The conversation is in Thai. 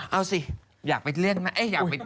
เอาสิอยากไปเล่นไหม